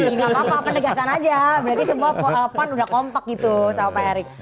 nggak apa apa penegasan aja berarti semua pan udah kompak gitu sama pak erick